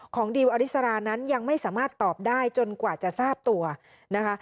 ดิวอริสรานั้นยังไม่สามารถตอบได้จนกว่าจะทราบตัวนะคะ